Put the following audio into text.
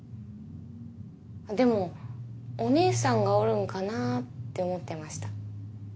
でもお姉さんがおるんかなって思ってました。